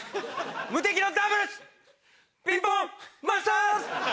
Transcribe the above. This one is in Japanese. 無敵のダブルス！ピンポンマスターズ！